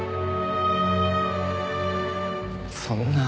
そんな。